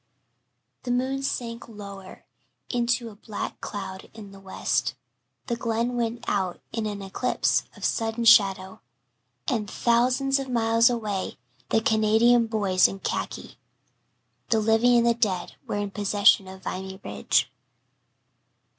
The moon sank lower into a black cloud in the west, the Glen went out in an eclipse of sudden shadow and thousands of miles away the Canadian boys in khaki the living and the dead were in possession of Vimy Ridge.